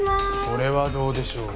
それはどうでしょう。